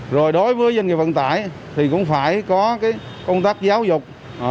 rồi đối với doanh nghiệp vận tải thì cũng phải có công tác giáo dục